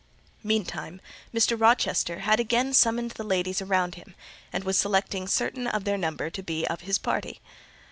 Meantime, Mr. Rochester had again summoned the ladies round him, and was selecting certain of their number to be of his party.